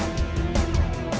ini harga yang sama